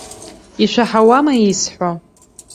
Ишәаҳауама исҳәо?